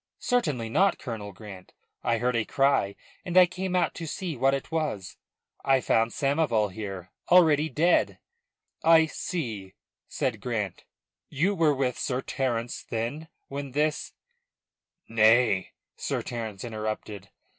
"Certainly not, Colonel Grant. I heard a cry, and I came out to see what it was. I found Samoval here, already dead." "I see," said Grant. "You were with Sir Terence, then, when this " "Nay," Sir Terence interrupted.